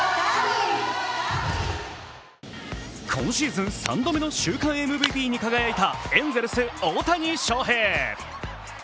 今シーズン３度目の週間ＭＶＰに輝いたエンゼルス・大谷翔平。